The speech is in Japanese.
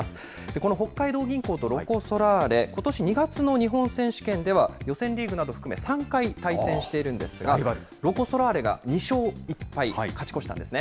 この北海道銀行とロコ・ソラーレ、ことし２月の日本選手権では、予選リーグなどを含め、３回対戦しているんですが、ロコ・ソラーレが２勝１敗勝ち越したんですね。